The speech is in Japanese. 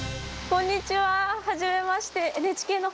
こんにちは。